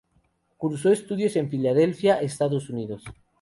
Cursó estudios en Filadelfia, Estados Unidos.